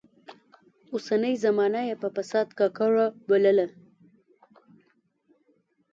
اوسنۍ زمانه يې په فساد ککړه بلله.